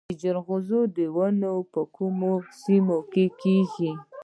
د جلغوزیو ونې په کومو سیمو کې کیږي؟